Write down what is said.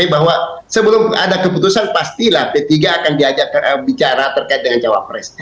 bahwa sebelum ada keputusan pastilah p tiga akan diajak bicara terkait dengan cawapres